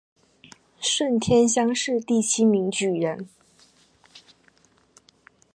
顺天乡试第七名举人。